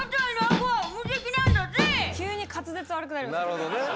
なるほどね。